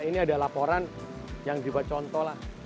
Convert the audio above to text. ini ada laporan yang dibuat contoh lah